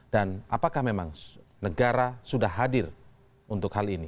dan apakah memang negara sudah hadir untuk hal ini